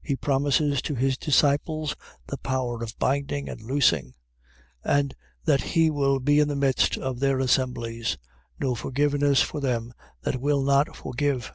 He promises to his disciples the power of binding and loosing: and that he will be in the midst of their assemblies. No forgiveness for them that will not forgive.